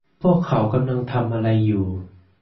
พวกเขากำลังทำอะไรอยู่